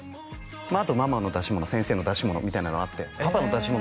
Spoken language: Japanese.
あとママの出し物先生の出し物みたいなのがあってパパの出し物